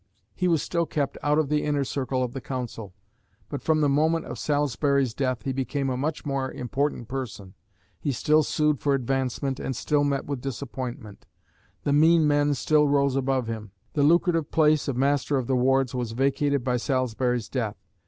He was still kept out of the inner circle of the Council; but from the moment of Salisbury's death he became a much more important person. He still sued for advancement, and still met with disappointment; the "mean men" still rose above him. The lucrative place of Master of the Wards was vacated by Salisbury's death.